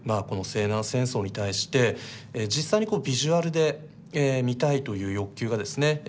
この西南戦争に対して実際にこうビジュアルで見たいという欲求がですね